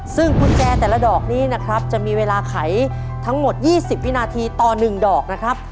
ซึ่งกุญแจแต่ละดอกนี้นะครับจะมีเวลาไขทั้งหมด๒๐วินาทีต่อ๑ดอกนะครับ